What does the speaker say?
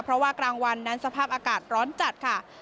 เพราะว่ากลางวันนั้นสภาพอากาศร้อนจัดค่ะ